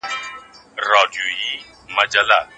د وژلو سزا ډېره سخته ده.